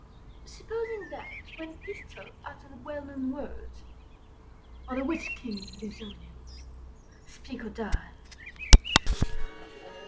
Supposing that, when Pistol uttered the well known words— "Under which king, Bezonian? Speak or die!"